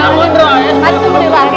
ani bu tunggu